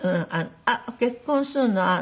「あっ結婚すんの？